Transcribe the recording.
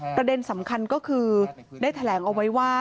ประเด็นสำคัญก็คือได้แถลงเอาไว้ว่า